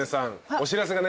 お知らせがね。